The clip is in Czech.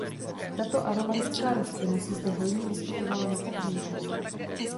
Tato aromatická rostlina se zde hojně vyskytovala na pobřeží.